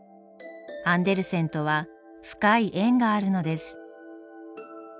アンデルセンとは深い縁があるのです。